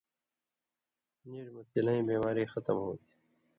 نیژ میں تِلئیں بیماری ختم ہوتھی۔